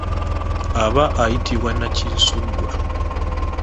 Aba ayitibwa nnakinsugwa.